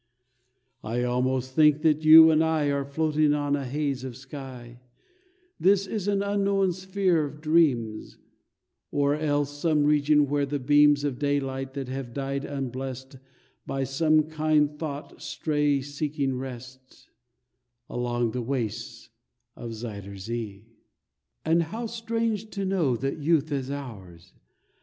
I almost think that you and I Are floating on a haze of sky, This is an unknown sphere of dreams, Or else some region where the beams Of daylight that have died unblessed By some kind thought stray seeking rest, Along the wastes of Zuyder Zee. How strange to know that youth is ours!